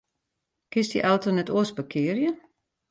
Kinst dy auto net oars parkearje?